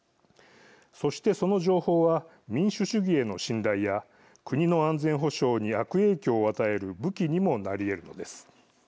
そして、その情報は民主主義への信頼や国の安全保障に悪影響を与える武器にもなりえるのです。